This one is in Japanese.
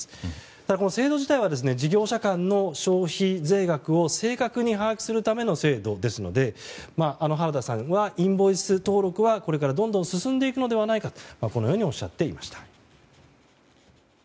ただ、この制度自体は事業者間の消費税額を正確に把握するための制度ですので原田さんはインボイス登録はこれから進んでいくのではないかこのようにおっしゃっていました。